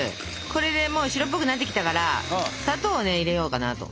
これでもう白っぽくなってきたから砂糖をね入れようかなと。